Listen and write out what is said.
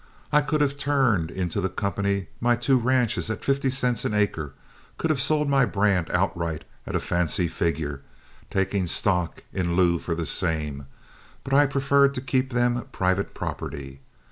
I could have turned into the company my two ranches at fifty cents an acre, could have sold my brand outright at a fancy figure, taking stock in lieu for the same, but I preferred to keep them private property.